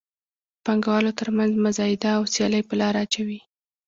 د پانګوالو تر مینځ مزایده او سیالي په لاره اچوي.